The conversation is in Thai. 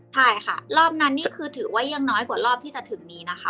ใช่ค่ะรอบนั้นนี่คือถือว่ายังน้อยกว่ารอบที่จะถึงนี้นะคะ